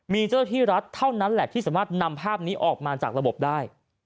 มีเจ้าหน้าที่รัฐเท่านั้นแหละที่สามารถนำภาพนี้ออกมาจากระบบได้